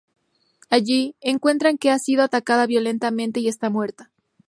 Allí, encuentran que ha sido atacada violentamente y está muerta.